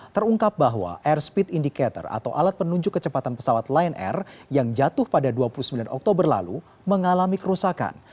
terungkap bahwa air speed indicator atau alat penunjuk kecepatan pesawat lion air yang jatuh pada dua puluh sembilan oktober lalu mengalami kerusakan